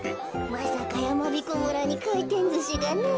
まさかやまびこ村にかいてんずしがねえ。